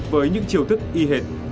với những chiều thức y hệt